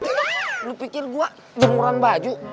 tuh lu pikir gua jemuran baju